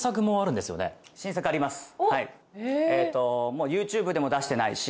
おっはいええとＹｏｕＴｕｂｅでも出してないし